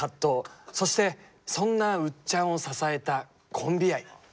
そしてそんなうっちゃんを支えたコンビ愛。